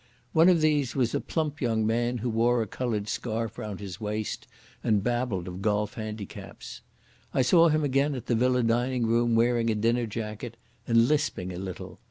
One of these was a plump young man who wore a coloured scarf round his waist and babbled of golf handicaps.... I saw him again in the villa dining room, wearing a dinner jacket, and lisping a little....